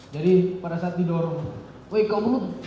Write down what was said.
jadi pada saat didorong woi kau berutut